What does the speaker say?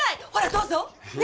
どうぞ！ね？